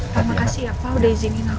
terima kasih ya pak udah izinkan aku